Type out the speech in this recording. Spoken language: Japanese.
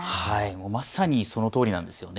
まさにそのとおりなんです。